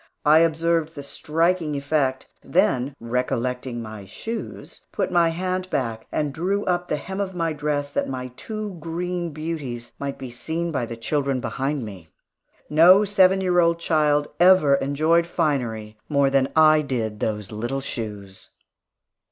I observed the striking effect, then recollecting my shoes, put my hand back and drew up the hem of my dress, that my two green beauties might be seen by the children behind me. No seven year old child ever enjoyed finery more than I did those little shoes.